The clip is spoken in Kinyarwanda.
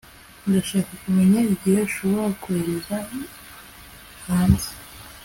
Ndashaka kumenya igihe ushobora kohereza hanze